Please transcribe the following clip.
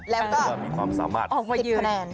แล้วก็มีความสามารถออกมายืน